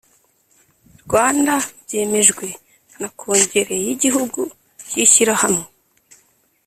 Rwanda byemejwe na kongere y igihugu y ishyirahamwe